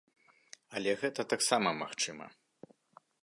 Але гэта таксама магчыма.